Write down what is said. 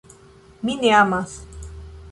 "Mi ne amas."